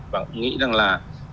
và cũng nghĩ rằng là